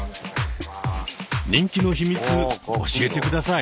人気の秘密教えて下さい。